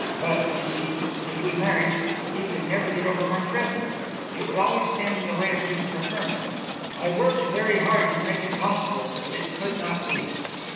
But, you see, if we married he could never get over my presence; it would always stand in the way of his preferment. I worked very hard to make it possible, but it could not be."